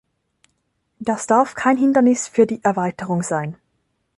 Das darf kein Hindernis für die Erweiterung sein.